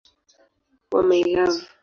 wa "My Love".